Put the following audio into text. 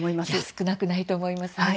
少なくないと思いますね。